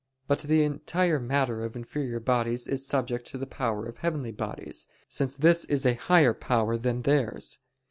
But the entire matter of inferior bodies is subject to the power of heavenly bodies, since this is a higher power than theirs.